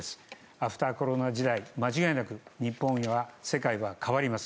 アフターコロナ時代、間違いなく、日本は、世界は変わります。